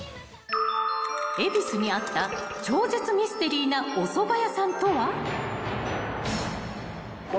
［恵比寿にあった超絶ミステリーなおそば屋さんとは］